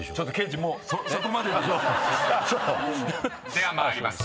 ［では参ります。